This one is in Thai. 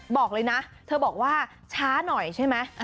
บอกเลยนะเธอบอกว่าช้าหน่อยใช่ไหม